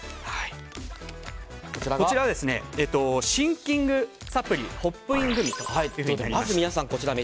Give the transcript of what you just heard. こちらはシンキングサプリ・ホップイングミということで。